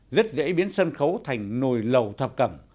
rất dễ biến sân khấu thành nồi lầu thập cầm